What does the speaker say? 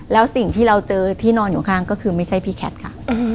แล้วสิ่งที่เราเจอที่นอนอยู่ข้างก็คือไม่ใช่พี่แคทค่ะ